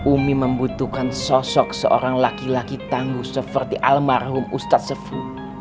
umi membutuhkan sosok seorang laki laki tangguh seperti almarhum ustadz sefu